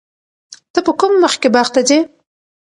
ته په کوم وخت کې باغ ته ځې؟